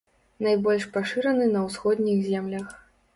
Найбольш пашыраны на ўсходніх землях.